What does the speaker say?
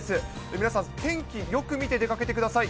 皆さん、天気よく見て出かけてください。